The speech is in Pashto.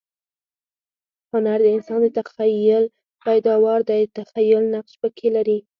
هنر د انسان د تخییل پیداوار دئ. تخییل نقش پکښي لري.